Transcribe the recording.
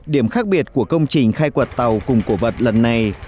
điểm khác biệt của công trình khai quật tàu cùng cổ vật lần này